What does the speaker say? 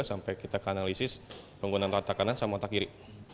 sampai kita ke analisis penggunaan otak kanan sama otak kiri